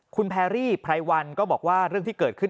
คุณแพรรี่ไพรวันก็บอกว่าเรื่องที่เกิดขึ้น